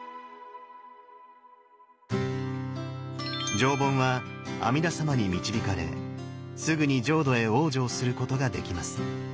上品は阿弥陀様に導かれすぐに浄土へ往生することができます。